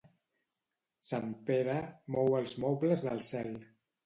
Sant Pere mou els mobles del cel.